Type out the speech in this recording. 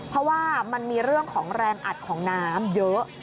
เพราะว่ามันมีเรื่องของแรงอัดของน้ำเยอะ